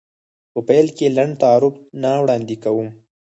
په پیل کې لنډ تعریف نه وړاندې کوم.